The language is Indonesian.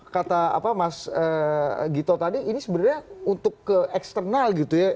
kata mas gito tadi ini sebenarnya untuk ke eksternal gitu ya